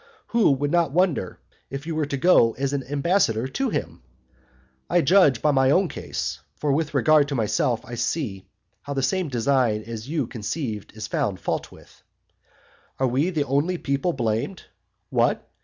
Who would not wonder if you were to go as an ambassador to him? I judge by my own case, for with regard to myself I see how the same design as you conceived is found fault with. And are we the only people blamed? What?